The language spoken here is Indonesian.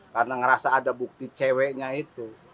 karena ngerasa ada bukti ceweknya itu